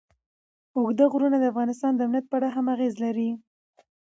اوږده غرونه د افغانستان د امنیت په اړه هم اغېز لري.